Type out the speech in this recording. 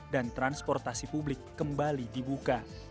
dan transportasi publik kembali dibuka